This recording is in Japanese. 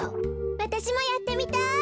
わたしもやってみたい。